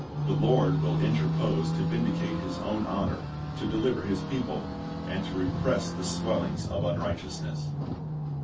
The Lord will interpose to vindicate His own honor, to deliver His people, and to repress the swellings of unrighteousness.